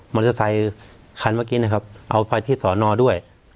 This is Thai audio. อเตอร์ไซคันเมื่อกี้นะครับเอาไปที่สอนอด้วย